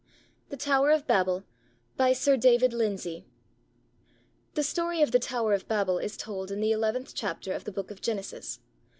THE TOWER OF BABEL BY SIR DAVID LYNDSAY [The story of the Tower of Babel is told in the eleventh chapter of the Book of Genesis.